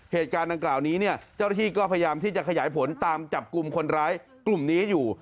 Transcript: เหตุการณ์ดังกล่าวนี้เนี่ยเจ้าหน้าที่ก็พยายามที่จะขยายผลตามจับกลุ่มคนร้ายกลุ่มนี้อยู่